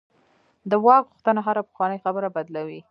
د واک غوښتنه هره پخوانۍ خبره بدلوي.